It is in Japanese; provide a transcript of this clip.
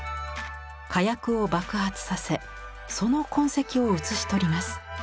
火薬を爆発させその痕跡を写し取ります。